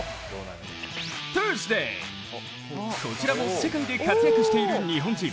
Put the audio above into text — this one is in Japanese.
サーズデイ、こちらも世界で活躍している日本人